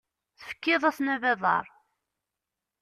Tefkiḍ-asen abadaṛ.